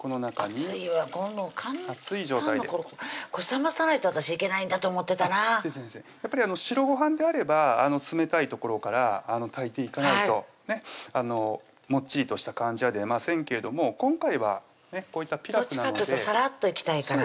全然全然やっぱり白ごはんであれば冷たいところから炊いていかないともっちりとした感じは出ませんけれども今回はこういったピラフなのでサラッといきたいから